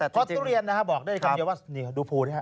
คอทุเรียนนะครับบอกได้คำนี้ว่านี่ดูพูดิฮะ